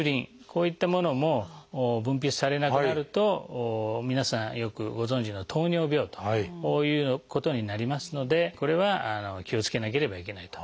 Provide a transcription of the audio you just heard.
こういったものも分泌されなくなると皆さんよくご存じの糖尿病ということになりますのでこれは気をつけなければいけないと。